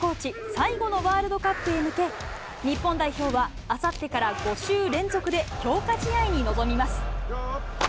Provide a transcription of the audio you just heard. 最後のワールドカップへ向け、日本代表はあさってから５週連続で強化試合に臨みます。